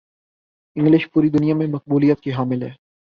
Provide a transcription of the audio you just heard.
English پوری دنیا میں مقبولیت کی حامل ہے